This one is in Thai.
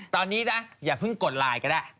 ตอนนี้นะอย่าเพิ่งกดไลน์ก็ได้